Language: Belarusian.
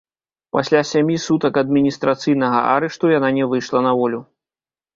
Пасля сямі сутак адміністрацыйнага арышту яна не выйшла на волю.